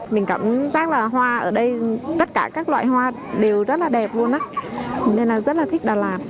mình cảm giác là hoa ở đây tất cả các loại hoa đều rất là đẹp luôn nên là rất là thích đà lạt